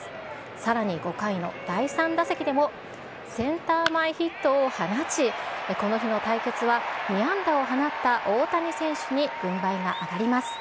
さらに５回の第３打席でもセンター前ヒットを放ち、この日の対決は、２安打を放った大谷選手に軍配が上がります。